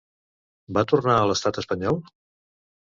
Va tornar a l'estat espanyol?